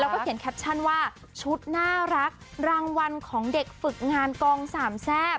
แล้วก็เขียนแคปชั่นว่าชุดน่ารักรางวัลของเด็กฝึกงานกองสามแซ่บ